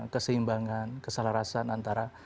keseimbangan keselarasan antara